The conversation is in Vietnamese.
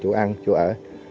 chủ ăn chủ ở